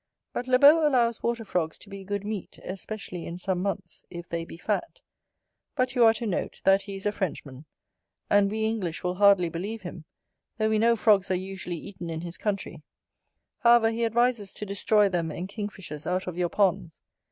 But Lebault allows water frogs to be good meat, especially in some months, if they be fat: but you are to note, that he is a Frenchman; and we English will hardly believe him, though we know frogs are usually eaten in his country: however he advises to destroy them and king fishers out of your ponds.